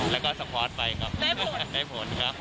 แล้วก็สปอร์ตไปครับได้ผลครับ